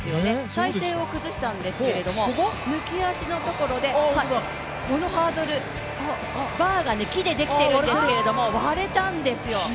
体勢を崩したんですけれども抜き足のところで、このハードル、バーが木でできているんですけど、割れたんですよ。